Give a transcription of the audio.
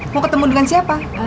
mau ketemu dengan siapa